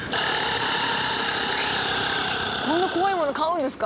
こんな怖いもの飼うんですか？